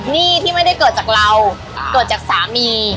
หนี้ที่ไม่ได้เกิดจากเราเกิดจากสามี